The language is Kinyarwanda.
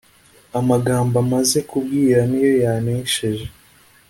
amagambo amaze kubwira niyo yantesheje